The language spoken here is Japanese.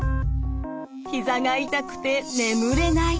ひざが痛くて眠れない。